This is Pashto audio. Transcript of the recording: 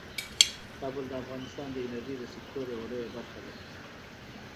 کابل د افغانستان د انرژۍ د سکتور یوه لویه برخه ده.